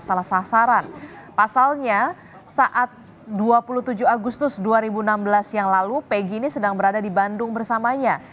salah sasaran pasalnya saat dua puluh tujuh agustus dua ribu enam belas yang lalu peggy ini sedang berada di bandung bersamanya